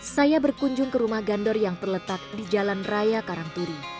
saya berkunjung ke rumah gandor yang terletak di jalan raya karangturi